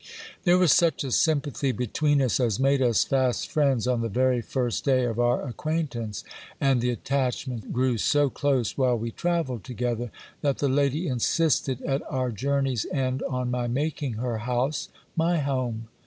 There was such a sympathy between us, as made us fast friends on the very first day of our acquaintance ; and the attachment grew so close while we travelled together, that the lady insisted, at our journey's end, on my making her house my home.